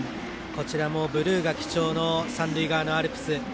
こちらもブルーが基調の三塁側のアルプス。